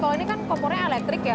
kalau ini kan kompornya elektrik ya